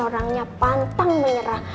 orangnya pantang menyerah